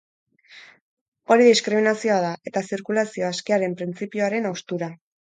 Hori diskriminazioa da, eta zirkulazio askearen printzipioaren haustura.